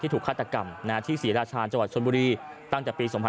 ถูกฆาตกรรมที่ศรีราชาญจังหวัดชนบุรีตั้งแต่ปี๒๕๕๙